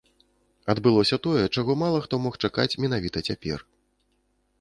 Адбылося тое, чаго мала хто мог чакаць менавіта цяпер.